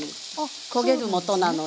焦げるもとなので。